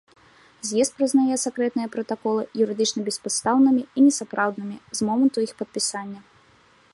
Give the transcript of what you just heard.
З'езд прызнае сакрэтныя пратаколы юрыдычна беспадстаўнымі і несапраўднымі з моманту іх падпісання.